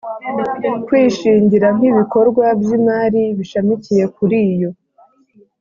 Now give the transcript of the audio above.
kwishingira nk ibikorwa by imari bishamikiye kuriyo